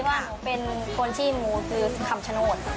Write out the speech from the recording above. เพราะอ่ะผมเป็นคนชีวิตมูตรคือขำชโนท